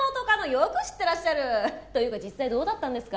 よく知ってらっしゃる。というか実際どうだったんですか？